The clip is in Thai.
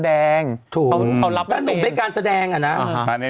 เนี่ยนุ่มก็ได้การแสดงอะน่ะ